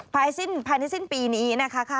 ภายในสิ้นปีนี้นะคะ